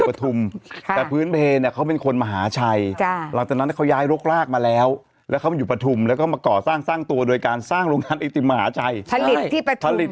กรุงเทพมหานคร๔คนนครปฐม๓คนอุตรดิษฐ์๑คนสุพรรณบุรี๑คน